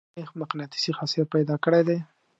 آیا فولادي میخ مقناطیسي خاصیت پیدا کړی دی؟